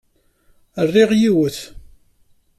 Rriɣ yiwet.